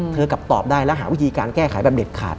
กลับตอบได้และหาวิธีการแก้ไขแบบเด็ดขาด